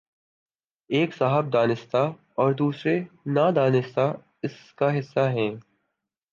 ایک صاحب دانستہ اور دوسرے نادانستہ اس کا حصہ ہیں۔